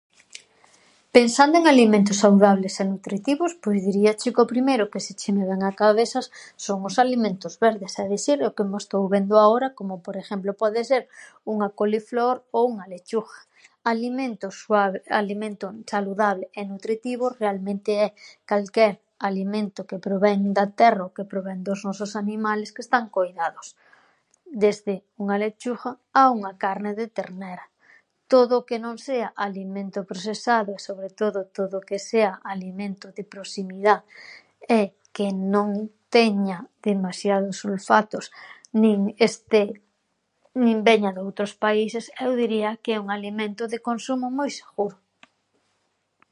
Pensando en alimentos saudables e nutritivos, pois diríache co primeiro que se che me ven a cabesas son os alimentos verdes, é dicir, o como estou vendo ahora, como, por ejemplo, pode ser unha coliflor ou unha lechugha. Alimentos suave- alimento saludable e nutritivo realmente é calquer alimento que provén da terra ou que provén dos nosos animales que están coidados, desde unha lechugha a unha carne de ternera; todo o que non sea alimento prosesado e, sobre todo, todo o que sea alimento de proximidá e que non teña demasiados sulfatos nin esté, nin veña doutros países, eu diría que é un alimento de consumo moi seghuro.